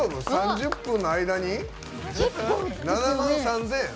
３０分の間に７万３０００？